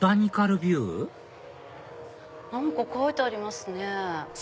何か書いてありますね。